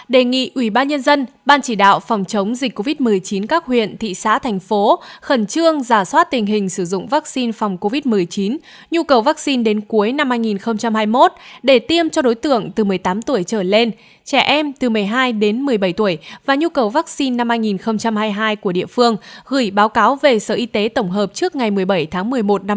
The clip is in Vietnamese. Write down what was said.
ba đề nghị ủy ban nhân dân ban chỉ đạo phòng chống dịch covid một mươi chín các huyện thị xã thành phố khẩn trương giả soát tình hình sử dụng vaccine phòng covid một mươi chín nhu cầu vaccine đến cuối năm hai nghìn hai mươi một để tiêm cho đối tượng từ một mươi tám tuổi trở lên trẻ em từ một mươi hai đến một mươi bảy tuổi và nhu cầu vaccine năm hai nghìn hai mươi hai của địa phương gửi báo cáo về sở y tế tổng hợp trước ngày một mươi bảy tháng một mươi một năm hai nghìn hai mươi một